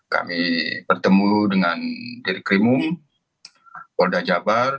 kami bertemu dengan dirk rimum kapolda jabar